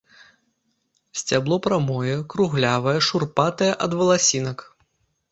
Сцябло прамое, круглявае, шурпатае ад валасінак.